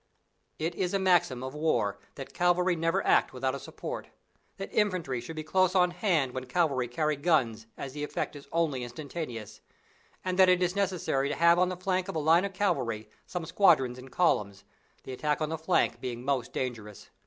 It is a maxim of war that "cavalry never act without a support," that "infantry should be close at hand when cavalry carry guns as the effect is only instantaneous," and that it is necessary to have on the flank of a line of cavalry some squadrons in column the attack on the flank being most dangerous.